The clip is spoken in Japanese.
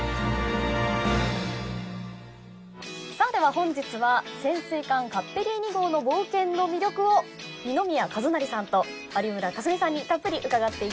本日は『潜水艦カッペリーニ号の冒険』の魅力を二宮和也さんと有村架純さんにたっぷり伺っていきます。